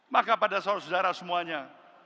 maka pada saudara saudara semuanya